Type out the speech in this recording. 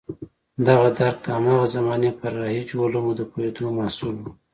دغه درک د هماغه زمانې پر رایجو علومو د پوهېدو محصول و.